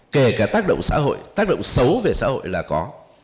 kể cả tác động xã hội tác động xấu về xã hội là có